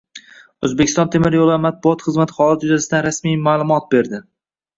O‘zbekiston temir yo‘llari matbuot xizmati holat yuzasidan rasmiy ma’lumot berdi